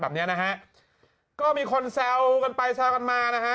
แบบเนี้ยนะฮะก็มีคนแซวกันไปแซวกันมานะฮะ